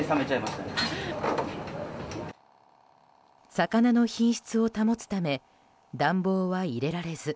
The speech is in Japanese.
魚の品質を保つため暖房は入れられず。